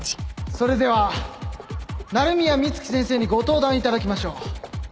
それでは鳴宮美月先生にご登壇いただきましょう。